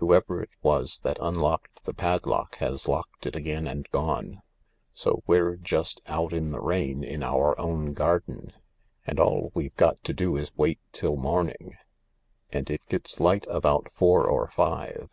Whoever it was that unlocked the padlock has locked it again and gone. So we're just out in the rain in our own garden, and all we've got to do is to wait till morning — arttf it gets light about four or five.